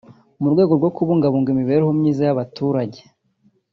mu rwego rwo kubungabunga imibereho myiza y’abaturage